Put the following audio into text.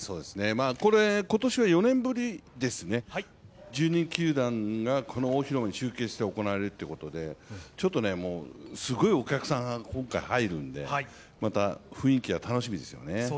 今年は４年ぶりですね、１２球団が中継して行われるということでちょっとすごいお客さん、今回入るんでまた雰囲気が楽しみですよね。